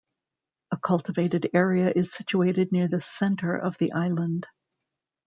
A cultivated area is situated near the center of the island.